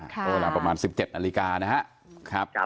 เวลาประมาณ๑๗นาฬิกานะครับ